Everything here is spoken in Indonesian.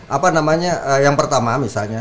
apa namanya yang pertama misalnya